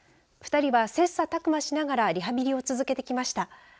２人は、切さたく磨しながらリハビリを続けてきました。